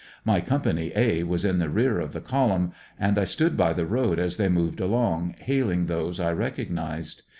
My company "A" was in the rear of the column, and I stood by the road as they moved along, hailing those I recognized.